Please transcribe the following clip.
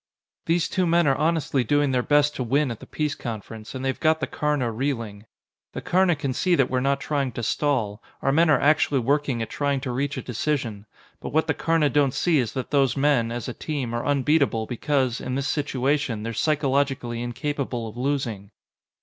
"These two men are honestly doing their best to win at the peace conference, and they've got the Karna reeling. The Karna can see that we're not trying to stall; our men are actually working at trying to reach a decision. But what the Karna don't see is that those men, as a team, are unbeatable because, in this situation, they're psychologically incapable of losing."